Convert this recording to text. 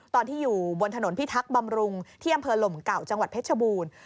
ตอนที่อยู่บนถนนพิทักษ์บำรุงที่อำเภอหลมเก่าจังหวัดเพชรบูรณ์